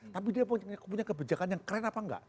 tapi dia punya kebijakan yang keren apa enggak